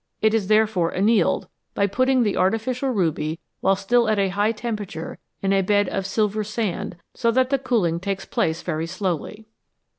It is therefore annealed, by putting the artificial ruby while still at a high temperature in a bed of silver sand, so that the cooling takes place very slowly.